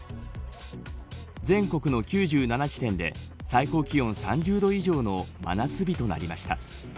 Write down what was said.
全国の９７地点で最高気温３０度以上の真夏日となりました。